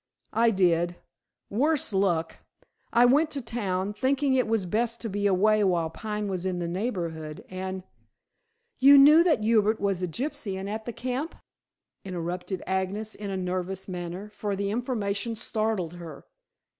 "I did, worse luck. I went to town, thinking it best to be away while Pine was in the neighborhood, and " "You knew that Hubert was a gypsy and at the camp?" interrupted Agnes in a nervous manner, for the information startled her.